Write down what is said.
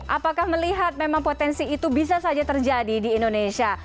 apakah melihat memang potensi itu bisa saja terjadi di indonesia